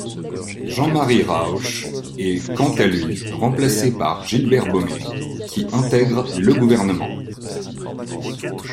Jean-Marie Rausch est quant à lui remplacé par Gilbert Baumet qui intègre le gouvernement.